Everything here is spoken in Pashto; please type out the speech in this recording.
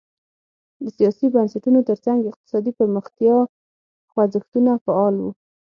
د سیاسي بنسټونو ترڅنګ اقتصادي پرمختیا خوځښتونه فعال وو.